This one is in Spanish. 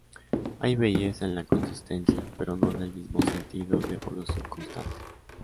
Hay belleza en la consistencia, pero no en el mismo sentido de evolución constante.